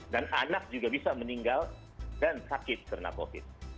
dan anak juga bisa meninggal dan sakit karena covid